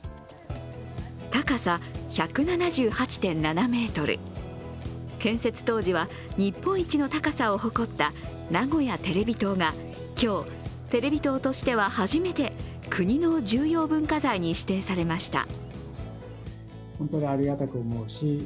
高さ１７８．７ｍ、建設当時は日本一の高さを誇った名古屋テレビ塔が今日、テレビ塔としては初めて国の重要文化財に指定されました。